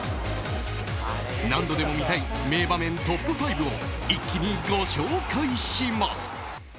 何度でも見たい名場面トップ５を一気にご紹介します！